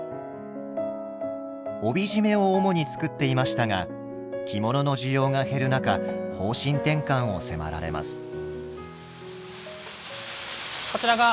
帯締めを主に作っていましたが着物の需要が減る中方針転換を迫られます。